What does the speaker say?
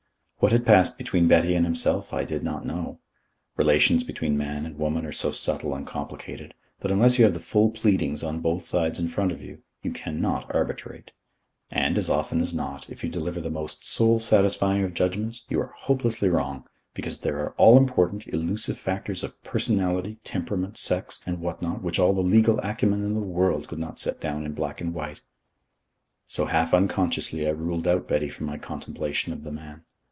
What had passed between Betty and himself, I did not know. Relations between man and woman are so subtle and complicated, that unless you have the full pleadings on both sides in front of you, you cannot arbitrate; and, as often as not, if you deliver the most soul satisfying of judgments, you are hopelessly wrong, because there are all important, elusive factors of personality, temperament, sex, and what not which all the legal acumen in the world could not set down in black and white. So half unconsciously I ruled out Betty from my contemplation of the man.